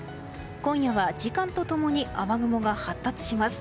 今夜は時間と共に雨雲が発達します。